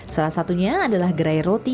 salah satunya adalah gerai roti